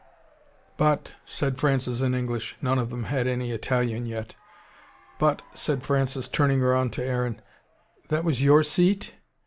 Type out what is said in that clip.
"But," said Francis in English none of them had any Italian yet. "But," said Francis, turning round to Aaron, "that was YOUR SEAT?"